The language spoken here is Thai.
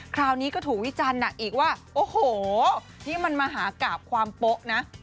คราวนี้ก็ถูกวิจันทร์อีกว่าโอ้โหนี่มันมหากราบความโป๊ะนะ